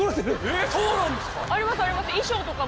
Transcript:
えっそうなんですか！？